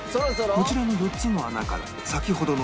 こちらの４つの穴から先ほどの生地を